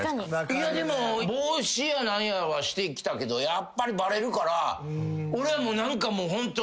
いやでも帽子や何やはしてきたけどやっぱりバレるから俺は何かもうホント。